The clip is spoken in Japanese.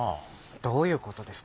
どういう事ですか？